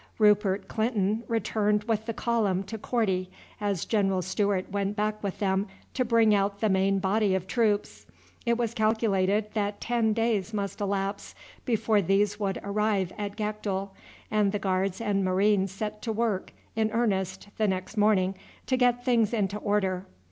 Rupert Clinton returned with the column to Korti, as General Stewart went back with them to bring out the main body of troops. It was calculated that ten days must elapse before these would arrive at Gakdul, and the Guards and Marines set to work in earnest the next morning to get things into order.